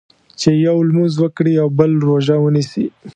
چې یو لمونځ وکړي او بل روژه ونیسي.